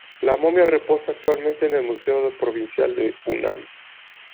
La momia reposa actualmente en el Museo Provincial de Hunan.